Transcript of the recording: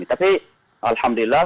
berbahaya bagi kami tapi alhamdulillah